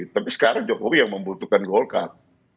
tapi sekarang jokowi yang membutuhkan golkar